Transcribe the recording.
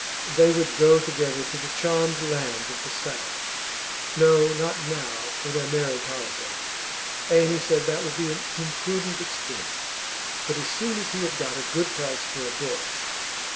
They would go together to the charmed lands of the South. No, not now for their marriage holiday Amy said that would be an imprudent expense; but as soon as he had got a good price for a book.